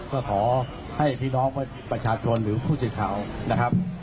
ก็ขอให้พี่น้องประชาชนหรือผู้สื่อข่าวนะครับ